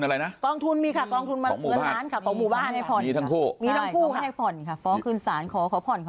ให้เขามาขอโทษเลยค่ะ